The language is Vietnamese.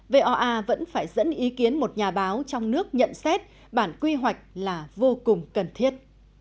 voa vẫn phải dẫn ý kiến một nhà báo trong nước nhận xét bản quy hoạch là vô cùng cần thiết